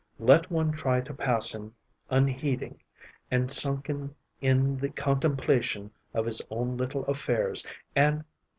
Let one try to pass him unheeding and sunken in the contemplation of his own little affairs, and, lo!